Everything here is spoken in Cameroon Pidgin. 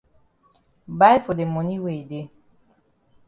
Buy for de moni wey e dey.